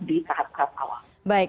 di tahap tahap awal